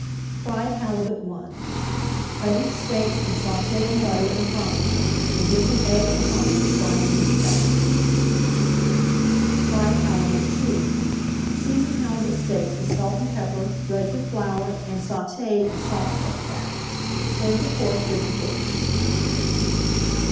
FRIED HALIBUT I Cut into steaks, and sauté in butter in a frying pan, or dip in egg and crumbs and fry in deep fat. FRIED HALIBUT II Season halibut steaks with salt and pepper, dredge with flour, and sauté in salt pork fat. Serve the pork with the fish.